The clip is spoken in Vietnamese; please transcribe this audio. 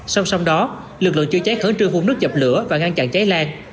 song song đó lực lượng chữa cháy khớn trương vùng nước dập lửa và ngăn chặn cháy lan